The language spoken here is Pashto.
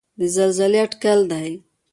د زلزلې اټکل دی.